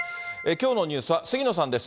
きょうのニュースは杉野さんです。